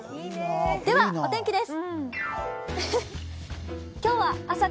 では、お天気です。